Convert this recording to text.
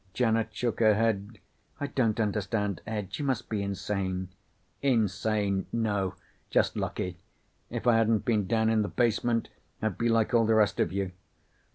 Janet shook her head. "I don't understand, Ed. You must be insane." "Insane? No. Just lucky. If I hadn't been down in the basement I'd be like all the rest of you."